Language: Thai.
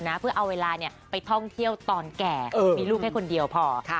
นะเพื่อเอาเวลาเนี้ยไปท่องเที่ยวตอนแก่เออมีลูกแค่คนเดียวพอค่ะ